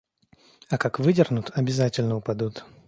А как выдернут, обязательно упадут.